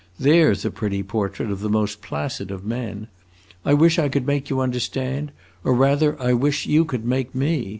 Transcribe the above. There 's a pretty portrait of the most placid of men! I wish I could make you understand; or rather, I wish you could make me!